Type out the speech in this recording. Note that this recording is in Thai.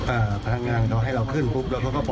อ่าพนักง่างเขาให้เราขึ้นปุ๊บแล้วเขาก็ปล่อยออกไปเลย